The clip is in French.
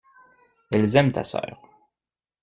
Elles aiment ta sœur.